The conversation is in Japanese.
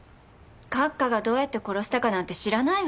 閣下がどうやって殺したかなんて知らないわよ。